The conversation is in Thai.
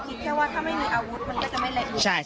คิดแค่ว่าถ้าไม่มีอาวุธมันก็จะไม่เละมุด